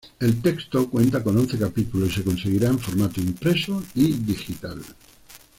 El texto cuenta con once capítulos y se conseguirá en formato impreso y digital.